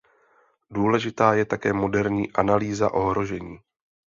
Důležitá je také moderní analýza ohrožení.